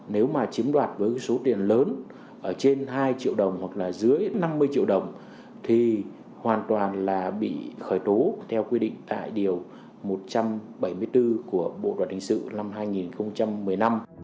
nếu mà chiếm đoạt với số tiền lớn trên hai triệu đồng hoặc là dưới năm mươi triệu đồng thì hoàn toàn là bị khởi tố theo quy định tại điều một trăm bảy mươi bốn của bộ luật hình sự năm hai nghìn một mươi năm